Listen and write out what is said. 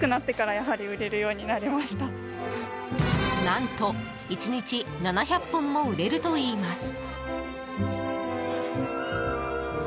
何と１日７００本も売れるといいます。